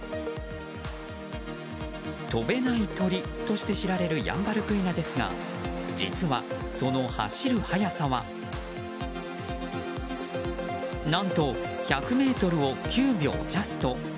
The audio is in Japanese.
飛べない鳥として知られるヤンバルクイナですが実は、その走る速さは何と１００ｍを９秒ジャスト。